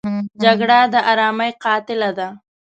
جګړه د آرامۍ قاتله ده